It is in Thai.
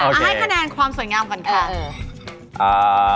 เอาให้คะแนนความสวยงามก่อนค่ะ